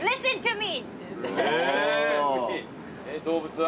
動物は？